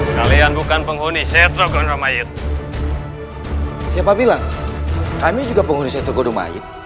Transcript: kalian bukan penghuni setra gondomayut siapa bilang kami juga penghuni setra gondomayut